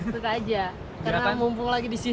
suka aja karena mumpung lagi di sini juga